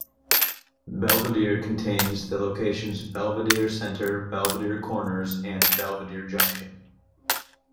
Belvidere contains the locations Belvidere Center, Belvidere Corners and Belvidere Junction.